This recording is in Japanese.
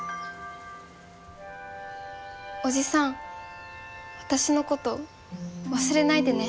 おじさん私のこと忘れないでね。